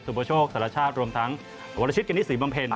สุภโชคสัตวชาติรวมทั้งโวกามลชิตกินที่สี่บำเพ็น